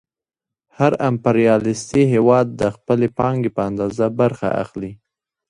هر امپریالیستي هېواد د خپلې پانګې په اندازه برخه اخلي